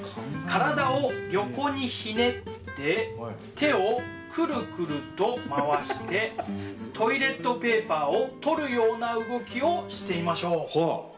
体を横にひねって手をクルクルと回してトイレットペーパーを取るような動きをしてみましょう。